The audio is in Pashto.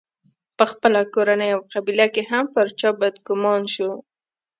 په خپله کورنۍ او قبیله کې هم پر چا بدګومان شو.